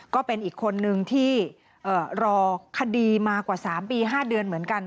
ก็เป็นอีกคนนึงที่รอคดีมากว่า๓ปี๕เดือนเหมือนกัน